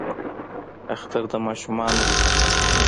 اختر د ماشومانو دی